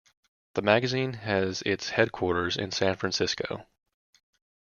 The magazine has its headquarters in San Francisco.